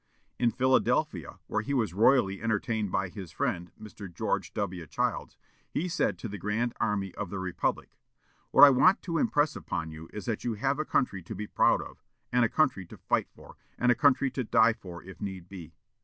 In Philadelphia, where he was royally entertained by his friend Mr. George W. Childs, he said to the Grand Army of the Republic, "What I want to impress upon you is that you have a country to be proud of, and a country to fight for, and a country to die for if need be....